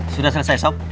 sudah selesai sob